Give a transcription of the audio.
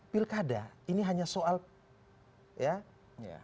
pilkada ini hanya soal rutinitas yang dilakukan